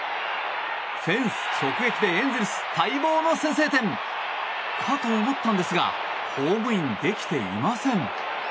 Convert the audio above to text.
フェンス直撃でエンゼルス待望の先制点かと思ったんですがホームインできていません。